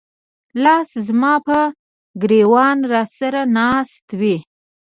لاس زماپه ګر ېوانه راسره ناست وې